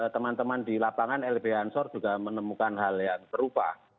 teman teman di lapangan lbh ansor juga menemukan hal yang serupa